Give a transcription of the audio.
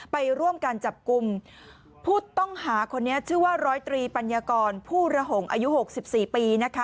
ไปร่วมการจับกลุ่มผู้ต้องหาคนนี้ชื่อว่าร้อยตรีปัญญากรผู้ระหงอายุ๖๔ปีนะคะ